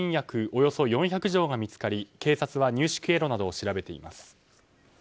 およそ４００錠が見つかり警察は入手経路などを調べています。